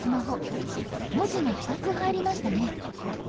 文字が２つ入りましたね。